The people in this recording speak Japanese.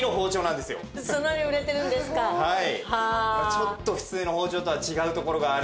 ちょっと普通の包丁とは違うところがあるので。